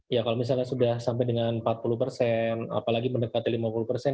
ya kalau misalnya sudah sampai dengan empat puluh persen apalagi mendekati lima puluh persen